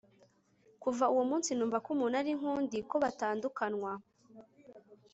kuva uwo munsi numva ko umuntu ari nk'undi, ko batandukanywa